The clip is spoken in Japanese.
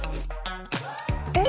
えっ？